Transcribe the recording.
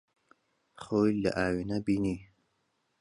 خۆی لە ئاوێنە بینی.